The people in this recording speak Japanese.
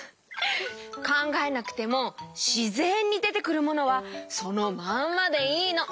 かんがえなくてもしぜんにでてくるものはそのまんまでいいの。